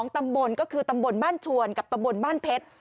ตำบลก็คือตำบลบ้านชวนกับตำบลบ้านเพชร